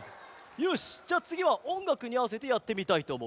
よしじゃあつぎはおんがくにあわせてやってみたいとおもう。